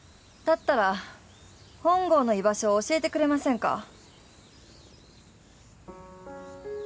だったら本郷の居場所を教えてくれませんか。